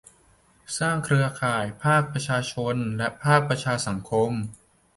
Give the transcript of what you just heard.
สร้างเครือข่ายภาคประชาชนและภาคประชาสังคม